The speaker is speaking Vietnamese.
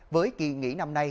với kỳ nghỉ năm nay